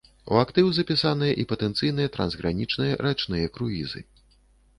У актыў запісаныя і патэнцыйныя трансгранічныя рачныя круізы.